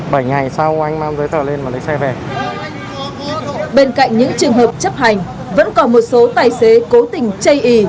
bên cạnh những trường hợp chấp hành vẫn còn một số tài xế cố tình chây ý